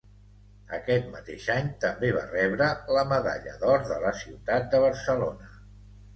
Aquest mateix any també va rebre la medalla d'or de la ciutat de Barcelona.